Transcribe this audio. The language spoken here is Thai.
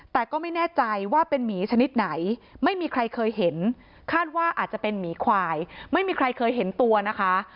แต่ก็ไม่แน่ใจว่าเป็นหมีชนิดไหนไม่มีใครเคยเห็นคาดว่าอาจจะเป็นหมีควายไม่มีใครเคยเห็นตัวนะคะ